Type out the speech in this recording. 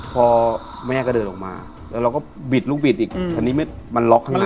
พอแม่ก็เดินออกมาแล้วเราก็บิดลูกบิดอีกคราวนี้มันล็อกข้างใน